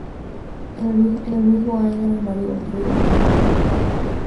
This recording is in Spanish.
En el mismo año, su hermano y marido murió.